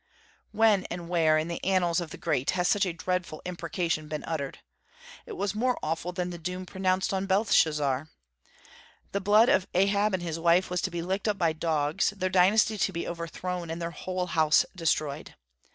When and where, in the annals of the great, has such a dreadful imprecation been uttered? It was more awful than the doom pronounced on Belshazzar. The blood of Ahab and his wife was to be licked up by dogs, their dynasty to be overthrown, and their whole house destroyed.